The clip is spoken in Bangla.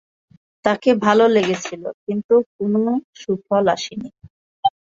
তাকে ভালো লেগেছিল, কিন্তু কোনো সুফল আসেনি।